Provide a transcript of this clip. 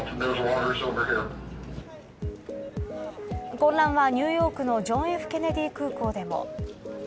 混乱はニューヨークのジョン・Ｆ・ケネディ空港でも。